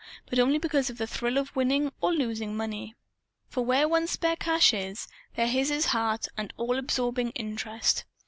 But only because of the thrill of winning or losing money. For where one's spare cash is, there is his heart and his all absorbing interest.